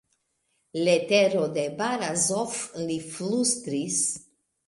Letero de Barazof, li flustris.